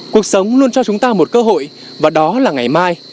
cuộc sống luôn cho chúng ta một cơ hội và đó là ngày mai